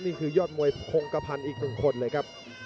นี่คือยอดมวยพงกระพันธ์อีกหนึ่งคนเลยครับ